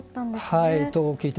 はい。